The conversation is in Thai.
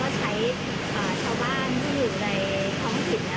เราก็จะเปลี่ยนให้ทุกคนต่อมาไป